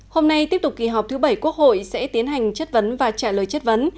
hôm nay tiếp tục kỳ họp thứ bảy quốc hội sẽ tiến hành chất vấn và trả lời chất vấn